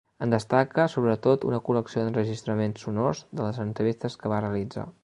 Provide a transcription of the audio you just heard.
En destaca sobretot una col·lecció d'enregistraments sonors de les entrevistes que va realitzar.